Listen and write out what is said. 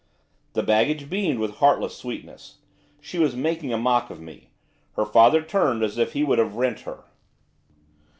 The baggage beamed with heartless sweetness, she was making a mock of me. Her father turned as if he would have rent her.